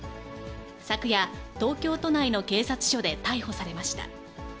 昨夜、東京都内の警察署で逮捕されました。